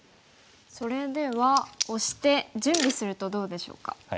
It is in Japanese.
それではオシて準備するとどうでしょうか？